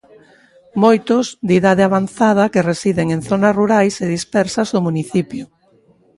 Moitos, de idade avanzada, que residen en zonas rurais e dispersas do municipio.